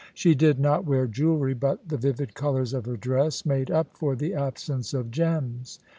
She did not wear jewellery, but the vivid colours of her dress made up for the absence of gems.